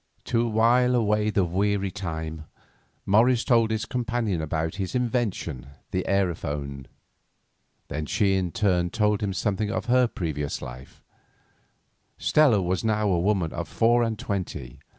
To while away the weary time, Morris told his companion about his invention, the aerophone. Then she in turn told him something of her previous life—Stella was now a woman of four and twenty.